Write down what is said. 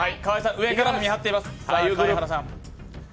上からも見張っています。